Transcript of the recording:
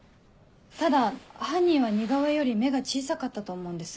ただ犯人は似顔絵より目が小さかったと思うんです。